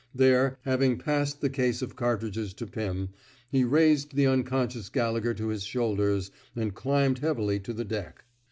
There, having passed the case of cartridges to Pim, he raised the unconscious Gallegher to his shoulders, and climbed heavily to the deck.